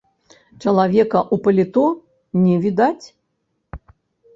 Чалавека ў паліто не відаць.